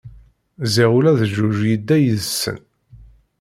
Ziɣ ula d jjuj yedda yid-sen!